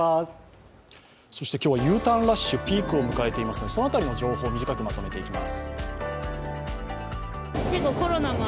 今日はＵターンラッシュピークを迎えていますのでその辺りの情報を短くまとめていきます。